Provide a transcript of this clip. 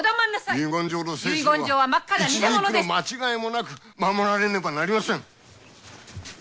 遺言状の精神は一字一句の間違いもなく守られねばなりません。